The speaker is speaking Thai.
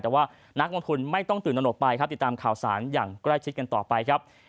แต่ว่านักลงทุนไม่ต้องตื่นตนกไปครับติดตามข่าวสารอย่างใกล้ชิดกันต่อไปครับ